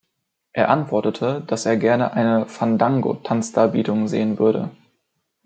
Er antwortete, dass er gerne eine Fandango-Tanzdarbietung sehen würde.